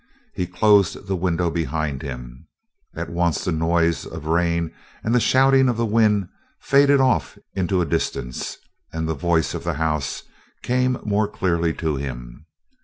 He closed the window behind him. At once the noise of rain and the shouting of the wind faded off into a distance, and the voices of the house came more clearly to him.